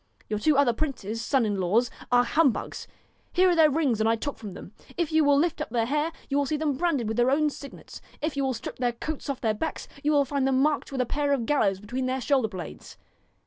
Your two other princes, sons in law, are humbugs. Here are their rings that I took from them. If you will lift up their hair you will see them branded with their own signets. If you will strip their coats off their backs, you will find them marked with a pair of gallows between their shoulder blades.